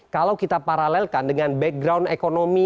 kalau kita paralelkan dengan background ekonomi